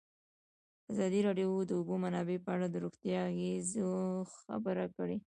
ازادي راډیو د د اوبو منابع په اړه د روغتیایي اغېزو خبره کړې.